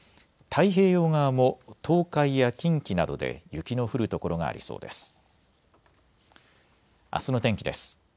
太平洋側も東海や近畿などで雪の降る所がありそうです。